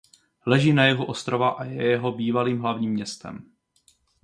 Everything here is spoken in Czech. Leží na jihu ostrova a je jeho bývalým hlavním městem.